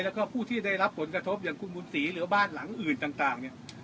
แล้วก็ผู้ที่ได้รับผลกระทบอย่างคุณบุญศรีหรือบ้านหลังอื่นต่างเนี่ย